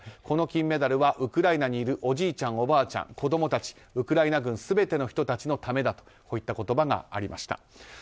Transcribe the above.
この金メダルはウクライナにいるおじいちゃん、おばあちゃん子供たち、ウクライナ軍全ての人のためだとこういった言葉がありました。